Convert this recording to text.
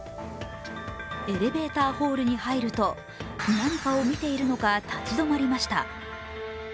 エレベーターホールに入ると何かを見ているのか立ち止まりました。